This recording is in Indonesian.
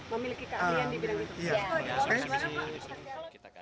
memiliki keahlian di bidang itu